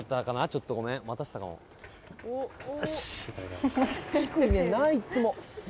ちょっとごめん待たせたかも撮れました